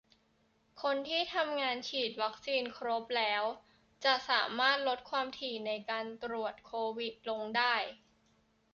คนทำงานที่ฉีดวัคซีนครบแล้ว จะสามารถลดความถี่ในการตรวจโควิดลงได้